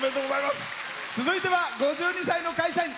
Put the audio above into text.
続いては５２歳の会社員。